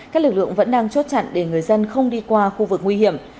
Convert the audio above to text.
các lực lượng vẫn đang chốt chặn để người dân không đi qua khu vực nguy hiểm